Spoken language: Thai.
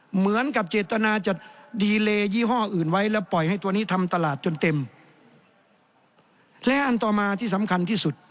เหมือนกับเจตนาจะดีเลยยี่ห้ออื่นไว้แล้วปล่อยให้ตัวนี้ทำตลาดจนเต็มและอันต่อมาที่สำคัญที่สุด